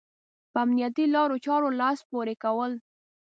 په امنيتي لارو چارو لاس پورې کول.